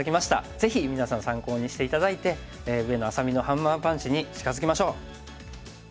ぜひ皆さん参考にして頂いて上野愛咲美のハンマーパンチに近づきましょう。